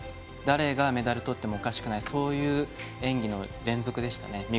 誰がメダルとってもおかしくないそういう演技の連続でしたね。